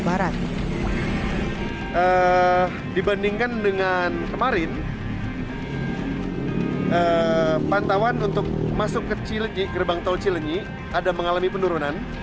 barat dibandingkan dengan kemarin pantauan untuk masuk ke gerbang tol cilenyi ada mengalami penurunan